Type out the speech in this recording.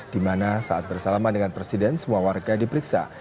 di mana saat bersalaman dengan presiden semua warga diperiksa